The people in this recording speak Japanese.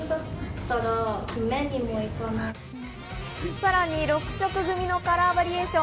さらに６色組のカラーバリエーション。